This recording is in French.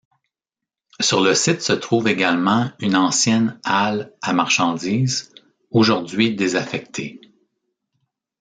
Sur le site se trouve également une ancienne halle à marchandises, aujourd'hui désaffectée.